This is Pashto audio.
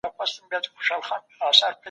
دا سانتي متر دئ.